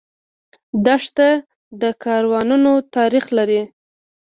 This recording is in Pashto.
دښته د کاروانونو تاریخ لري.